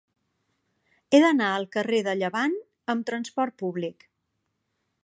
He d'anar al carrer de Llevant amb trasport públic.